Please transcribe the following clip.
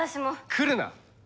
来るな！